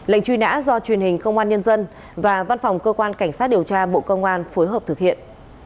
lệnh truy nã do truyền hình công an nhân dân và văn phòng cơ quan cảnh sát điều tra bộ công an phối hợp thực hiện